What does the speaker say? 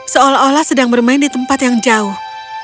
seolah olah sedang bermain di tempat yang jauh